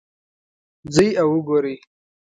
ځئ او وګورئ